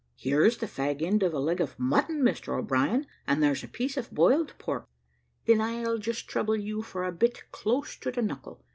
"Here's the fag end of a leg of mutton, Mr O'Brien, and there's a piece of boiled pork." "Then I'll just trouble you for a bit close to the knuckle.